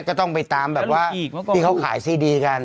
ก็ต้องไปตามแบบว่าที่เขาขายซีดีกัน